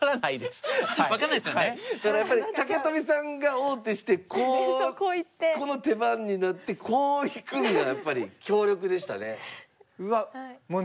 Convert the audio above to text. やっぱり武富さんが王手してこうこの手番になってこう引くんがやっぱり強力でしたね。